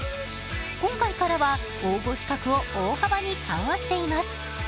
今回からは応募資格を大幅に緩和しています。